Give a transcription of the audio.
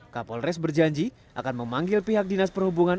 kapol rest berjanji akan memanggil pihak dinas perhubungan